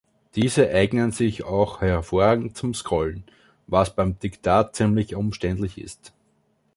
Diese eignen sich auch hervorragend zum Scrollen, was beim Diktat ziemlich umständlich ist.